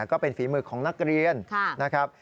ก็เป็นฝีมือของนักเรียนนะครับ